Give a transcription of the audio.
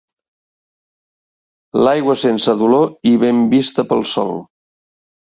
L'aigua sense dolor i ben vista pel sol.